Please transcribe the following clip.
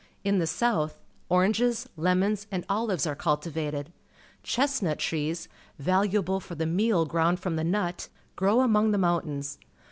In the 198 PUBLIC SCHOOL GEOGRAPHY south, oranges, lemons, and olives are cultivated. Chestnut trees, valuable for the meal ground from the nut, grow among the mountains.